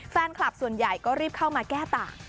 แฟนคลับส่วนใหญ่ก็รีบเข้ามาแก้ต่าง